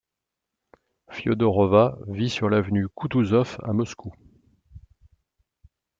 Fiodorova vit sur l'avenue Koutouzov à Moscou.